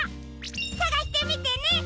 さがしてみてね！